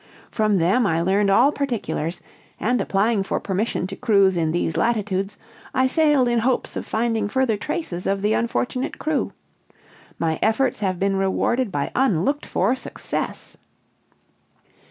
From them I learned all particulars, and applying for permission to cruise in these latitudes, I sailed in hopes of finding further traces of the unfortunate crew. My efforts have been rewarded by unlooked for success."